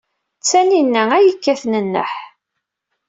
D Tanina ay yekkaten nneḥ.